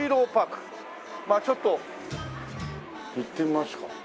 まあちょっと行ってみますか。